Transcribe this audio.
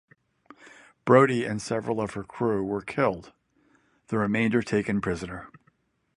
Brodie and several of her crew were killed; the remainder taken prisoner.